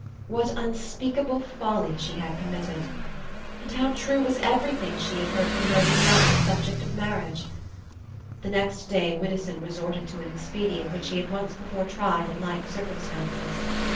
What unspeakable folly she had committed! And how true was everything she had heard from Rhoda Nunn on the subject of marriage! The next day Widdowson resorted to an expedient which he had once before tried in like circumstances.